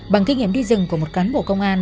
bằng kinh nghiệm đi rừng của một cán bộ công an